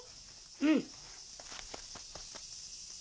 うん。